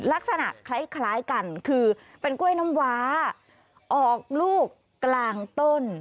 ลักษณะคล้ายกันคือเป็นกล้วยน้ำว้าออกลูกกลางต้น